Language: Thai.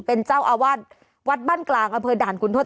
เป็นเจ้าอาวาสวัดบ้านกลางอำเภอด่านคุณทศ